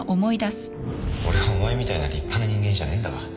俺はお前みたいな立派な人間じゃねえんだわ